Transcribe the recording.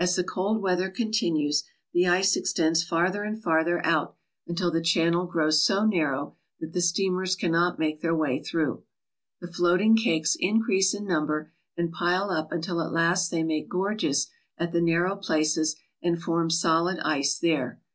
As the cold weather continues, the ice extends farther and farther out, until the channel grows so narrow that the steamers cannot make their way through. The floating cakes increase in number, and pile up until at last they make gorges at the narrow places and form solid ice there.